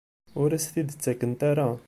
Ur as-t-id-ttakent ara?